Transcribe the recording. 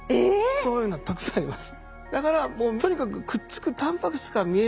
そういうのたくさんあります。